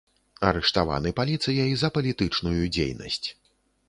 Арыштаваны паліцыяй за палітычную дзейнасць.